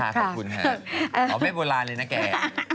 ขอบคุณค่ะอ๋อไม่โบราณเลยนะแก